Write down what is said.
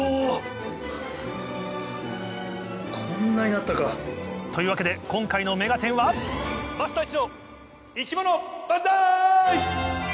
こんなになったか。というわけで今回の『目がテン！』は桝太一の生き物バンザイ！